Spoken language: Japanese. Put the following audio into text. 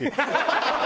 ハハハハ！